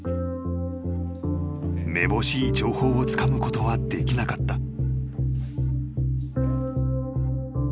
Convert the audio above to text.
［めぼしい情報をつかむことはできなかった］